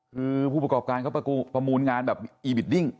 คือผู้ประกอบการเขาประมูลงานแบบอีบิดดิ้ง